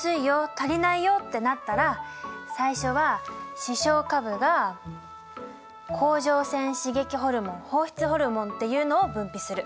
足りないよ」ってなったら最初は視床下部が甲状腺刺激ホルモン放出ホルモンっていうのを分泌する。